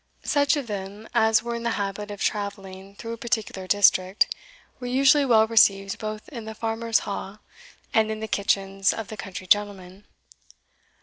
Such of them as were in the habit of travelling through a particular district, were usually well received both in the farmer's ha', and in the kitchens of the country gentlemen.